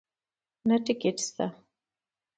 نه ټکټ شته